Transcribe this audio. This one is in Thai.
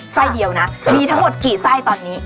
ไส้เดียวนะมีทั้งหมดกี่ไส้ตอนนี้